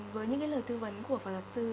với những cái lời tư vấn của phật giáo sư